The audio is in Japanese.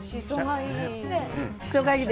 しそがいい。